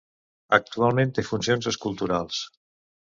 Actualment té funcions esculturals.